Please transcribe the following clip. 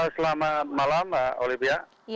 selamat malam mbak olivia